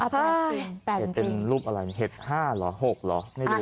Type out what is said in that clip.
เห็ดเป็นรูปอะไรเห็ด๕หรอ๖หรอไม่รู้